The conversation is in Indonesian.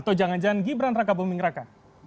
atau jangan jangan gibran raka buming raka